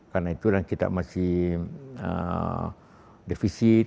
karena itu kita masih defisit